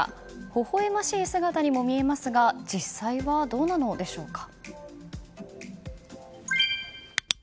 ほほ笑ましい姿にも見えますが実際はどうなのでしょうか。